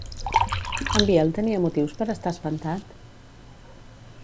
En Biel tenia motius per estar espantat?